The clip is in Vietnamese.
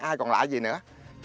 ai còn lạ gì nữa